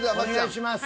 お願いします。